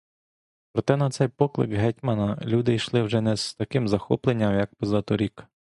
Проте на цей поклик гетьмана люди йшли вже не з таким захопленням, як позаторік.